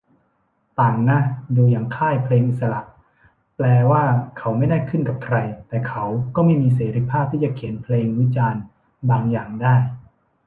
ต่างนะ ดูอย่างค่ายเพลงอิสระ แปลว่าเขาไม่ได้ขึ้นกับใคร แต่เขาก็ไม่มีเสรีภาพที่จะเขียนเพลงวิจารณ์บางอย่างได้